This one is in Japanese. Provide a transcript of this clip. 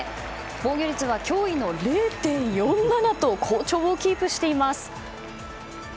防御率は驚異の０．４７と好調をキープしています。